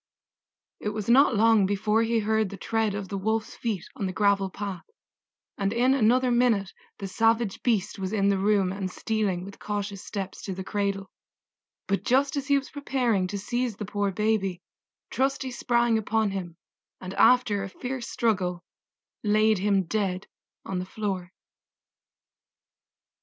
It was not long before he heard the tread of the Wolf's feet on the gravel path, and in another minute the savage beast was in the room and stealing with cautious steps to the cradle; but just as he was preparing to seize the poor baby Trusty sprang upon him and after a fierce struggle laid him dead on the floor.